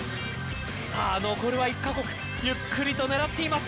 残るは１カ国ゆっくりと狙っています。